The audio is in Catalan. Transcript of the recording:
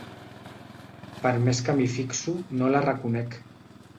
Per més que m'hi fixo no la reconec.